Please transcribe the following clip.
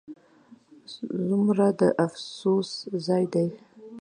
ځومره د افسوس ځاي دي